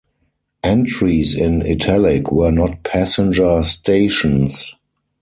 Entries in italic were not passenger stations.